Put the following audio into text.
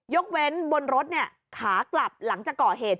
ยกเว้นบนรถขากลับหลังจากก่อเหตุ